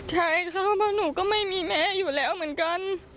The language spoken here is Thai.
ใช่ค่ะเพราะหนูก็ไม่มีแม้อยู่แล้วเหมือนกัน